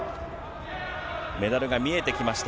メダルが見えてきました。